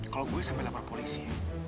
kalau gue sampai lapor polisi